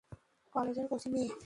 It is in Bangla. কলেজের কচি মেয়ে।